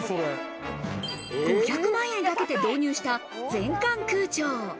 ５００万円かけて導入した全館空調。